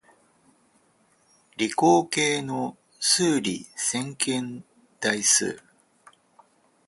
理工系の数理線形代数